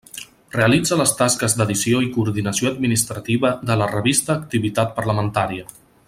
Realitza les tasques d'edició i coordinació administrativa de la revista Activitat parlamentària.